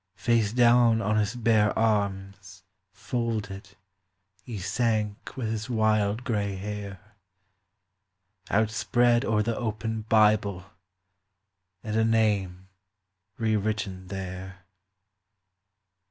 Face down on his bare arms folded he sank with his wild grey hair Outspread o'er the open Bible and a name re written there.